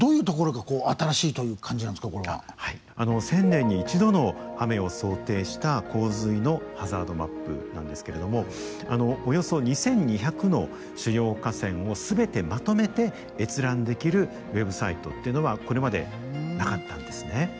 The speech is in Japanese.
１０００年に１度の雨を想定した洪水のハザードマップなんですけれどもおよそ２，２００の主要河川を全てまとめて閲覧できるウェブサイトっていうのはこれまでなかったんですね。